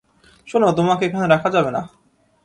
শোনো, তোমাকে এখানে রাখা যাবে না।